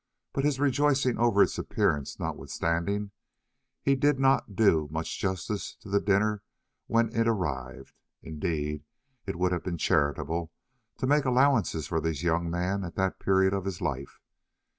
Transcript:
But, his rejoicing over its appearance notwithstanding, he did not do much justice to the dinner when it arrived. Indeed, it would be charitable to make allowances for this young man at that period of his life.